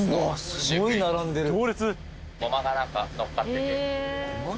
行列？